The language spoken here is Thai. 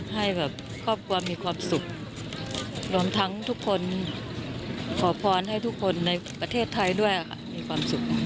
ให้แบบครอบครัวมีความสุขรวมทั้งทุกคนขอพรให้ทุกคนในประเทศไทยด้วยค่ะมีความสุข